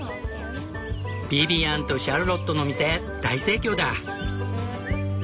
ビビアンとシャルロットの店大盛況だ。